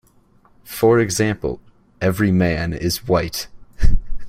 For example, 'every man is white'.